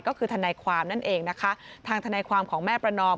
ก็คือทนายความนั่นเองนะคะทางทนายความของแม่ประนอม